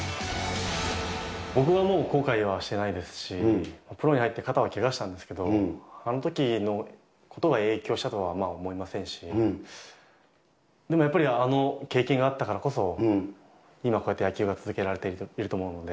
僕はもう後悔はしてないですし、プロに入って肩をけがしたんですけど、あのときのことが影響したとは思いませんし、でもやっぱり、あの経験があったからこそ、今こうやって野球が続けられていると思うので。